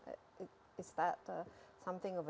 apakah itu sesuatu yang mencoba